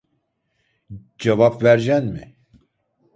Cevap vercen mi